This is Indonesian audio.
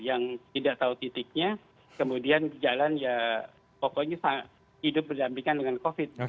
yang tidak tahu titiknya kemudian jalan ya pokoknya hidup berdampingan dengan covid